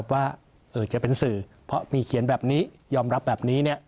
ว่าจะเป็นสื่อเพราะมีเขียนแบบนี้ยอมรับแบบนี้